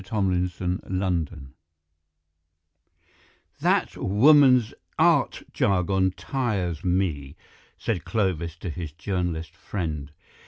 THE BACKGROUND "That woman's art jargon tires me," said Clovis to his journalist friend.